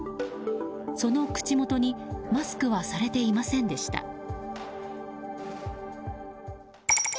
その口元にマスクはされていませんでした。